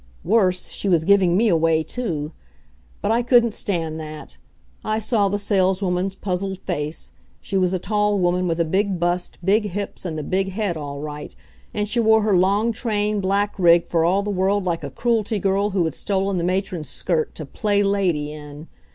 Worse she was giving me away, too. But I couldn't stand that. I saw the saleswoman's puzzled face she was a tall woman with a big bust, big hips and the big head all right, and she wore her long train black rig for all the world like a Cruelty girl who had stolen the matron's skirt to "play lady" in.